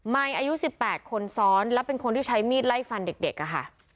อายุ๑๘คนซ้อนแล้วเป็นคนที่ใช้มีดไล่ฟันเด็กอะค่ะ